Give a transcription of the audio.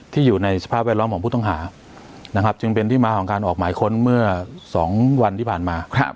อยู่ในสภาพแวดล้อมของผู้ต้องหานะครับจึงเป็นที่มาของการออกหมายค้นเมื่อ๒วันที่ผ่านมา